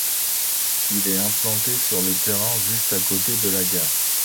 Il est implanté sur les terrains juste à côté de la gare.